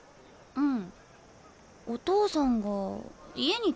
うん。